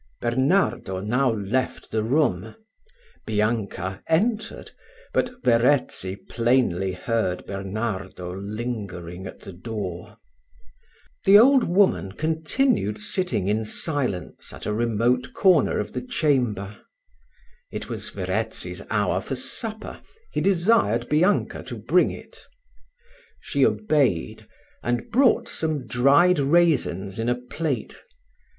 Bernardo now left the room: Bianca entered; but Verezzi plainly heard Bernardo lingering at the door. The old woman continued sitting in silence at a remote corner of the chamber. It was Verezzi's hour for supper: he desired Bianca to bring it. She obeyed, and brought some dried raisins in a plate.